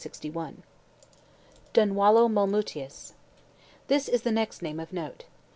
DUNWALLO MOLMUTIUS This is the next name of note.